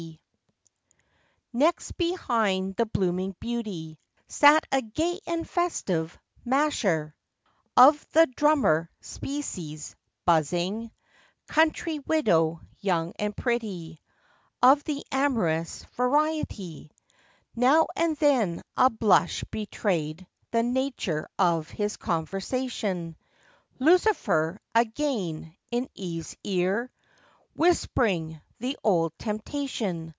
VI. Next behind the blooming beauty Sat a "gay and festive" " masher," FACTS AND FANCIES. 39 Of the "drummer" species; "buzzing" Country widow, young and pretty, Of the amorous variety. Now and then a blush betrayed the Nature of his conversation— Lucifer, again, in Eve's ear Whispering the old temptation.